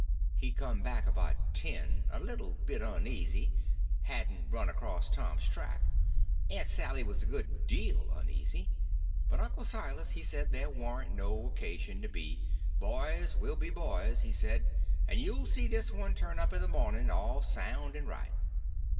He come back about ten a little bit uneasy; hadn't run across Tom's track. Aunt Sally was a good deal uneasy; but Uncle Silas he said there warn't no occasion to be—boys will be boys, he said, and you'll see this one turn up in the morning all sound and right.